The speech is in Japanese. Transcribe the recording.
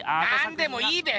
なんでもいいべ！